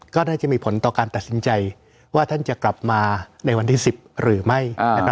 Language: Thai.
ก็น่าจะมีผลต่อการตัดสินใจว่าท่านจะกลับมาในวันที่๑๐หรือไม่